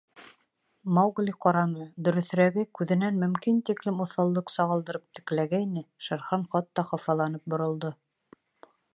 Маугли ҡараны, дөрөҫөрәге, күҙенән мөмкин тиклем уҫаллыҡ сағылдырып текләгәйне, Шер Хан хатта хафаланып боролдо.